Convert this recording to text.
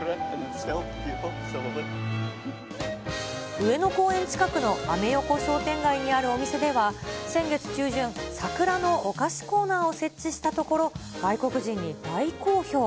上野公園近くのアメ横商店街にあるお店では、先月中旬、桜のお菓子コーナーを設置したところ、外国人に大好評。